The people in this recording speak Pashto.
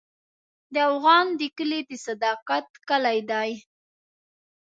د افغان کلی د صداقت کلی دی.